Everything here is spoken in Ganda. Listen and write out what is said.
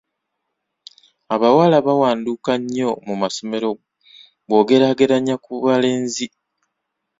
Abawala bawanduka nnyo mu masomero bw'ogeraageranya ku balenzi.